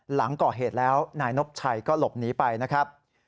หลังก่อเหตุแล้วนายนบชัยก็หลบหนีไปนะครับ